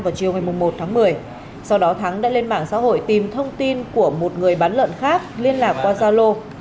vào chiều ngày một tháng một mươi sau đó thắng đã lên mạng xã hội tìm thông tin của một người bán lợn khác liên lạc qua gia lô